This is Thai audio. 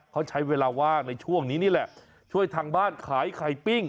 เขาใช้เวลาว่างในช่วงนี้นี่แหละช่วยทางบ้านขายไข่ปิ้ง